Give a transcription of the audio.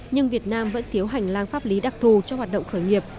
nhưng việt nam vẫn thiếu hành lang pháp lý đặc thù cho hoạt động khởi nghiệp